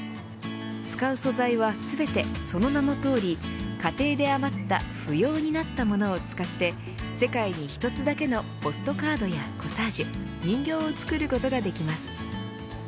使う素材は全てその名のとおり家庭で余った不要になったものを使って世界に一つだけのポストカードやコサージュ人形を作ることができます。